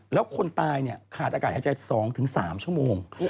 แล้วคนตายขาดอากาศหายใจ๒๓ชั่วโมง